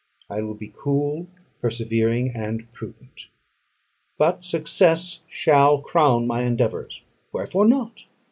I will be cool, persevering, and prudent. But success shall crown my endeavours. Wherefore not?